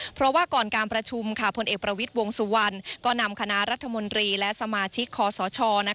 เพราะว่าก่อนการประชุมพลเอกประวิทย์วงสุวรรณก็นำคณะรัฐมนตรีและสมาชิกคอสช